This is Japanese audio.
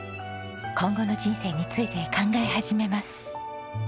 今後の人生について考え始めます。